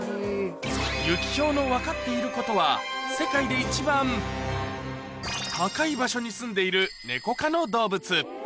ユキヒョウの分かっていることは、世界で一番高い場所に住んでいるネコ科の動物。